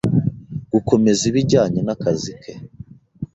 gukomeza ibijyanye n'akazi ke,